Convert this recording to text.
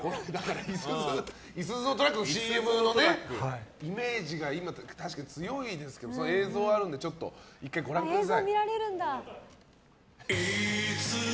いすゞのトラックのＣＭのイメージが確かに強いですけどその映像があるので１回、ご覧ください。